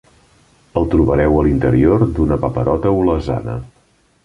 El trobareu a l'interior d'una paparota olesana.